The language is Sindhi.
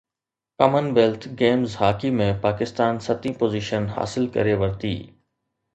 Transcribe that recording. ڪمن ويلٿ گيمز هاڪي ۾ پاڪستان ستين پوزيشن حاصل ڪري ورتي